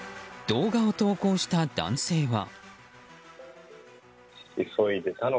動画を投稿した男性は。